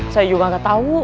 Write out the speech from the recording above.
saya juga gak tau